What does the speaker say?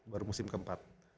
baru musim keempat